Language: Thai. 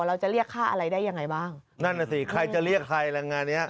เราจะเรียกค่าอะไรได้ยังไงบ้างนั่นน่ะสิใครจะเรียกใครแรงงานเนี้ย